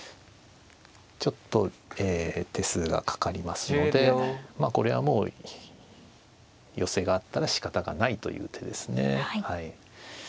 ちょっと手数がかかりますのでこれはもう寄せがあったらしかたがないという手ですねはい。